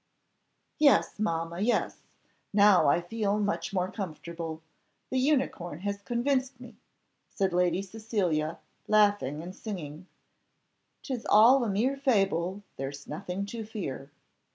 "Yes, mamma, yes; now I feel much more comfortable. The unicorn has convinced me," said Lady Cecilia, laughing and singing ''Tis all a mere fable; there's nothing to fear.